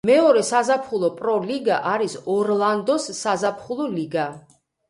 მეორე საზაფხულო პრო ლიგა არის ორლანდოს საზაფხულო ლიგა.